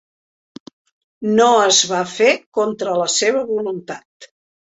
No es va fer contra la seva voluntat.